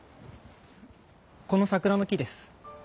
この桜の木です。